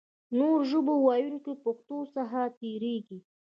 نورو ژبو ویونکي پښتو څخه تېرېږي.